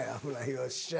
よっしゃー！